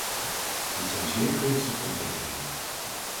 Dit zijn zeer gunstige ontwikkelingen.